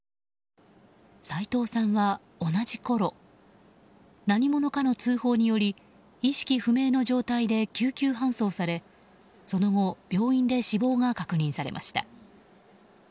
齋藤さんは同じころ何者かの通報により意識不明の状態で救急搬送されその後、病院で死亡が確認されました。